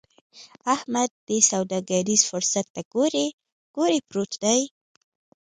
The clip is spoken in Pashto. احمد دې سوداګريز فرصت ته کوړۍ کوړۍ پروت دی.